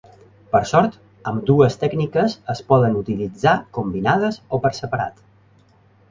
Per sort, ambdues tècniques es poden utilitzar combinades o per separat.